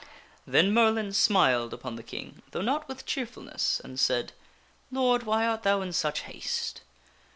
Then Merlin smiled upon the King, though not with cheerfulness, and said, " Lord, why art thou in such haste